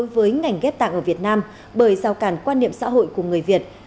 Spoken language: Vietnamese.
với ngành ghép tạng ở việt nam bởi rào cản quan niệm xã hội của người việt